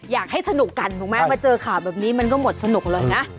อยากให้สนุกกันถูกไหมมาเจอข่าวแบบนี้มันก็หมดสนุกเลยนะ